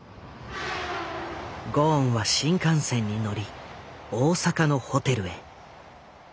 ゴーンは新幹線に乗り大阪のホテルへ。